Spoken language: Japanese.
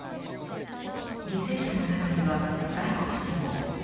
犠牲者の中には外国人も。